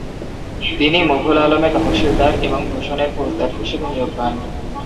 তিনি মুঘল আমলে তহশীলদার এবং ভূষণের ফৌজদার হিসেবে নিয়োগ পান।